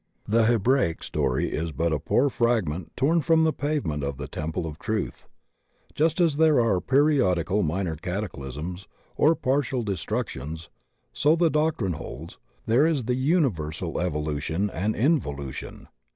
The Hebraic story is but a poor fragment torn from the pavement of the Temple of Trutfi. Just as there are periodical minor cataclysms or partial de structions, so, the doctrine holds, diere is the imiversal evolution and involution.